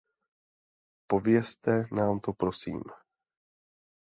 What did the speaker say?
Povězte nám to, prosím.